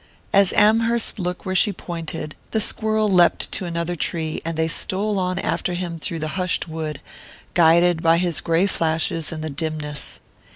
As Amherst looked where she pointed, the squirrel leapt to another tree, and they stole on after him through the hushed wood, guided by his grey flashes in the dimness.